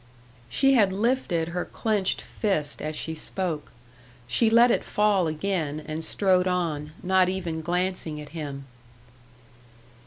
She had lifted her clenched fist as she spoke. She let it fall again, and strode on, not even glancing at him.